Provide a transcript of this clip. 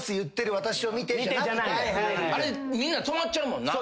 あれみんな止まっちゃうもんな。